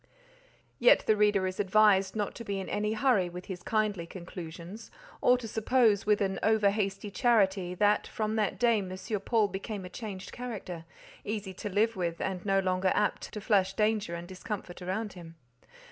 Yet the reader is advised not to be in any hurry with his kindly conclusions, or to suppose, with an over hasty charity, that from that day M. Paul became a changed character—easy to live with, and no longer apt to flash danger and discomfort round him.